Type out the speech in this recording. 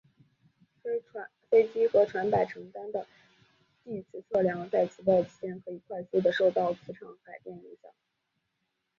飞机和船舶承担的地磁测量在磁暴期间可以快速的受到磁场改变影响。